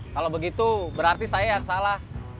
kalau begitu berarti saya yang salah